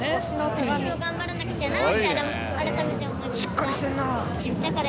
しっかりしてんなぁ。